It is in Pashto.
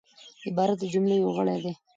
عبارت د جملې یو غړی دئ.